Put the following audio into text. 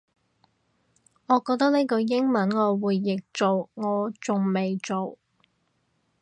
我覺得呢句英文我會譯做我仲未做